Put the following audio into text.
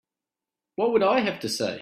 What would I have to say?